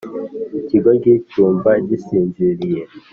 Ikigoryi cyumva gisinziriye